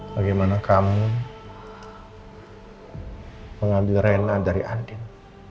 bagaimana kamu mengambil rena dari andin